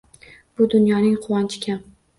Bu dunyoning quvonchi kam